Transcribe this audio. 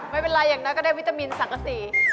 ไม่เป็นไรอย่างนั้นก็ได้วิตามินสังกษี